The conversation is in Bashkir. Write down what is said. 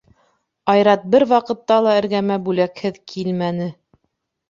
Айрат бер ваҡытта ла эргәмә бүләкһеҙ килмәне.